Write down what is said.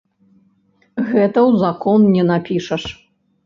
Гэта ў закон не напішаш.